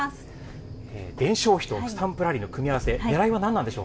伝承碑とスタンプラリーの組み合わせ、ねらいは何なんでしょ